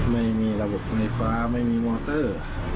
ไม่มีระบบไฟฟ้าไม่มีมอเตอร์